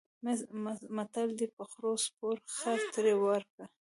متل دی: په خره سپور خر ترې ورک.